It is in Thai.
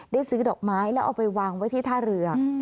ซื้อดอกไม้แล้วเอาไปวางไว้ที่ท่าเรือ